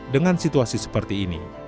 dengan situasi seperti ini